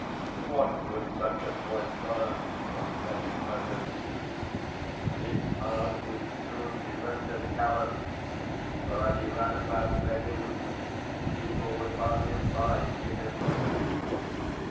What would such a boy learn from begging letters? His heart would soon be rendered callous, for, as he ran about begging, people would pass him by and give him nothing.